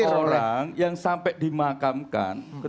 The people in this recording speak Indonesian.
ada orang yang sampai dimakamkan